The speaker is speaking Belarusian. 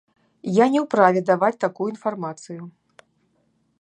Я не ў праве даваць такую інфармацыю.